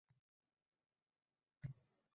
Sizdan ortiq dunyoda.